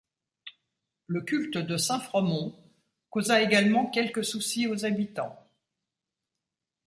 Le culte de saint Fromond causa également quelques soucis aux habitants.